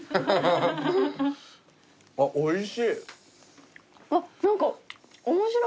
あっおいしい。